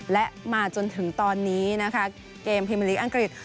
และมาจนถึงตอนนี้เกมภิมิลิอังกฤษ